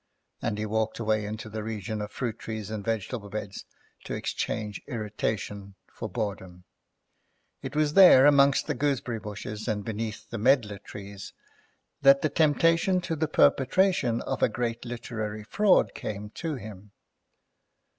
And he walked away into the region of fruit trees and vegetable beds to exchange irritation for boredom. It was there, among the gooseberry bushes and beneath the medlar trees, that the temptation to the perpetration of a great literary fraud came to him.